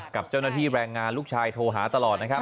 กับเจ้าหน้าที่แรงงานลูกชายโทรหาตลอดนะครับ